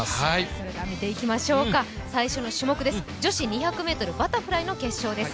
それでは見ていきましょうか最初の種目女子２００ｍバタフライ決勝です。